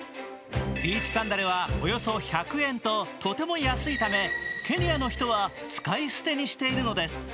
ビーチサンダルはおよそ１００円と、とても安いため、ケニアの人は使い捨てにしているのです。